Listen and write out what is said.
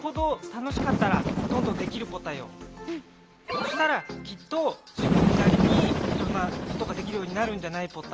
そしたらきっと自分なりにいろんなことができるようになるんじゃないポタ？